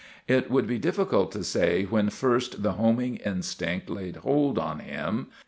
It would be difficult to say when first the homing instinct laid hold on him.